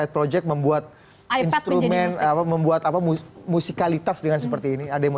project membuat instrumen apa membuat apa musikalitas dengan seperti ini ada yang mau